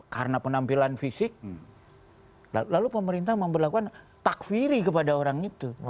karena penampilan fisik lalu pemerintah memperlakukan takfiri kepada orang itu